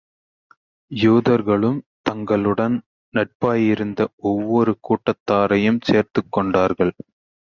யூதர்களும் தங்களுடன் நட்பாயிருந்த ஒவ்வொரு கூட்டத்தாரையும் சேர்த்துக் கொண்டார்கள்.